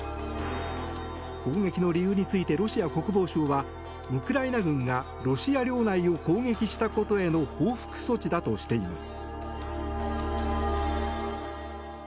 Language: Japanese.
攻撃の理由についてロシア国防省はウクライナ軍がロシア領内を攻撃したことへの報復措置だとしています。